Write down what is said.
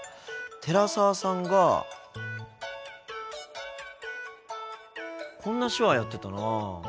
寺澤さんがこんな手話やってたな。